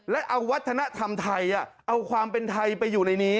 และเอาวัฒนธรรมไทยเอาความเป็นไทยไปอยู่ในนี้